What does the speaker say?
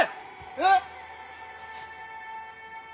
えっ？